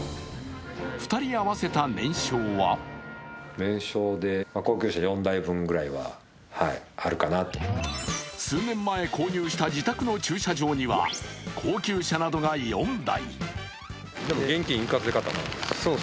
２人合わせた年商は数年前購入した自宅の駐車場には高級車などが４台。